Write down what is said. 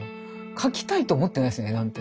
描きたいと思ってないです絵なんて。